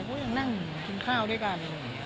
ก็ยังนั่งกินข้าวด้วยกัน